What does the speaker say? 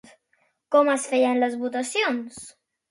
Com es feien les votacions?